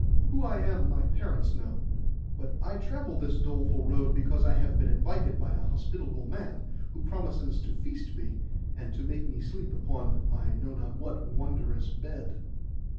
'Who I am my parents know; but I travel this doleful road because I have been invited by a hospitable man, who promises to feast me, and to make me sleep upon I know not what wondrous bed.